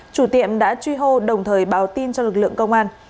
chủ tiệm đã truy hô đồng thời báo tin cho lực lượng công an